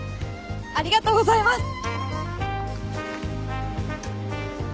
ありがとうございます！